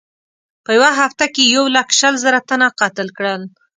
په یوه هفته کې یې یو لک شل زره تنه قتل کړل.